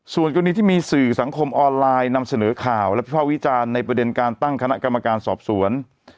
ส่วนกรณีที่มีสื่อสังคมออนไลน์นำเสนอข่าวและวิภาควิจารณ์ในประเด็นการตั้งคณะกรรมการสอบสวน